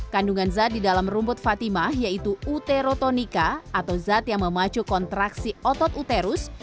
kandungan zat di dalam rumput fatimah yaitu uterotonika atau zat yang memacu kontraksi otot uterus